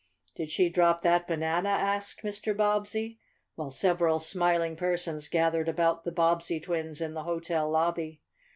"Did she drop that banana?" asked Mr. Bobbsey, while several smiling persons gathered about the Bobbsey twins in the hotel lobby.